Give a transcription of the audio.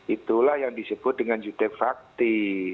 itulah yang disebut dengan jute fakti